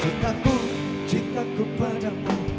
cintaku cintaku padamu